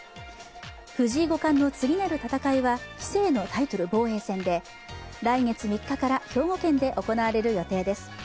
藤井五冠の次なる戦いは棋聖のタイトル防衛戦で来月３日から兵庫県で行われる予定です。